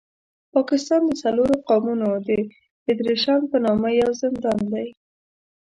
پاکستان د څلورو قومونو د فېډرېشن په نامه یو زندان دی.